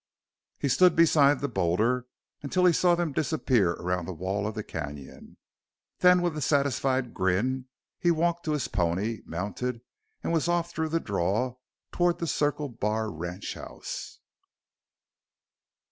He stood beside the boulder until he saw them disappear around the wall of the canyon. Then with a satisfied grin he walked to his pony, mounted, and was off through the draw toward the Circle Bar ranchhouse.